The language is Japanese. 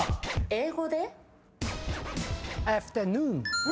英語で？